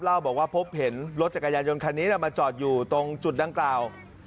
เล่าบอกว่าพบเห็นรถจักรยานยนต์คันนี้มาจอดอยู่ตรงจุดดังกล่าว